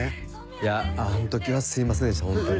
いやあの時はすいませんでしたホントに。